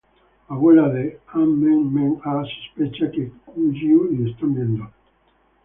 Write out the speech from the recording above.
Abuela Ah Meng Meng Ah sospecha que Qi Yue y están viendo.